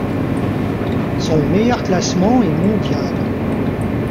Son meilleur classement est mondial.